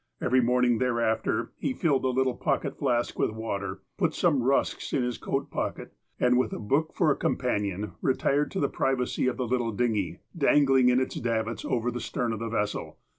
Every morning thereafter, he filled a little pocket flask with water, put some rusks in his coat pocket, and with a book for a companion, retired to the privacy of a little dingy, dangling in its davits over the stern of the vessel.